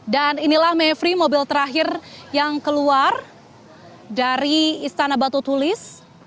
dan inilah mevri mobil terakhir yang keluar dari istana batu tulis